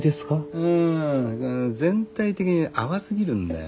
うん全体的に淡すぎるんだよ。